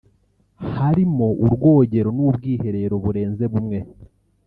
harimo urwogero n’ubwiherero burenze bumwe